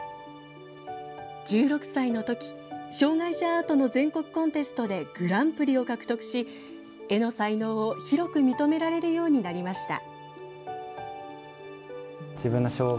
１６歳のとき障害者アートの全国コンテストでグランプリを獲得し絵の才能を広く認められるようになりました。